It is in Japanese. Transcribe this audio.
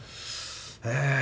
ええ。